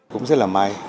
cũng rất là may